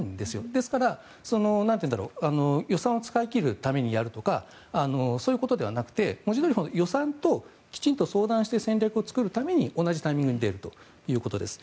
ですから予算を使い切るためにやるとかそういうことではなくて文字どおり予算ときちんと相談して戦略を作るために同じタイミングで出るということです。